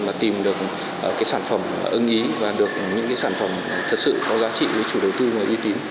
mà tìm được cái sản phẩm ưng ý và được những cái sản phẩm thật sự có giá trị với chủ đầu tư và uy tín